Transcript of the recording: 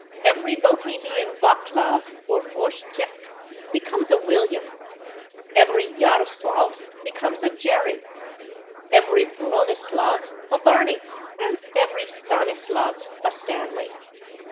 Every Bohemian /Vaclav/ or /Vojtĕch/ becomes a /William/, every /Jaroslav/ becomes a /Jerry/, every /Bronislav/ a /Barney/, and every /Stanislav/ a /Stanley